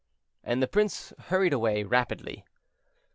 And the prince hurried away rapidly.